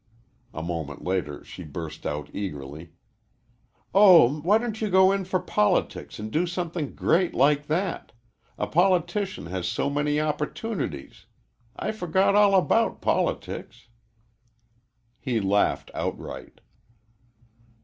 A moment later she burst out eagerly, "Oh, why don't you go in for politics and do something great like that? A politician has so many opportunities. I forgot all about politics." He laughed outright.